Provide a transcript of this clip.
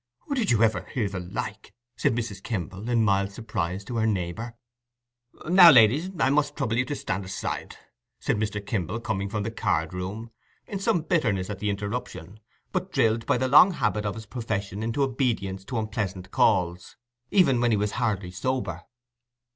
"Did you ever hear the like?" said Mrs. Kimble, in mild surprise, to her neighbour. "Now, ladies, I must trouble you to stand aside," said Mr. Kimble, coming from the card room, in some bitterness at the interruption, but drilled by the long habit of his profession into obedience to unpleasant calls, even when he was hardly sober.